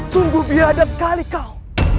sungguh biadab sekali kau